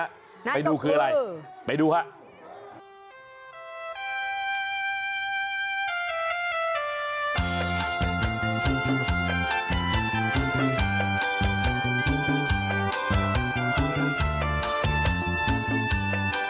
นัทตกคือไปดูคืออะไรไปดูครับ